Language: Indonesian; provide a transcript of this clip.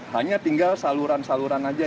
hanya tinggal saluran saluran saja